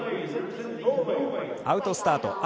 アウトスタート